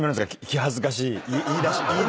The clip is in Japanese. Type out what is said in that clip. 気恥ずかしい言い出しにくい。